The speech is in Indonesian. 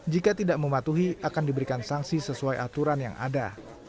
jika tidak mematuhi akan diberikan sanksi sesuai aturan yang ada